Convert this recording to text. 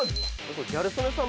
ギャル曽根さん